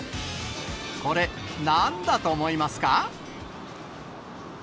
これ、なんだと思いますか？